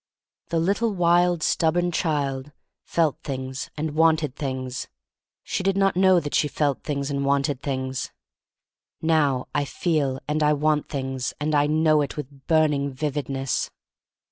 The little wild stubborn child felt things and wanted things. She did not know that she felt things and wanted things. 68 THE STORY OF MARY MAC LANE Now I feel and I want things and I know it with burning vividness.